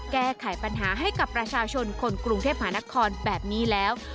แก้ไขปัญหาให้กับประชาชนคนกรุงเทพหานครแบบนี้แล้ว